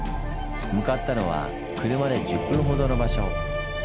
向かったのは車で１０分ほどの場所。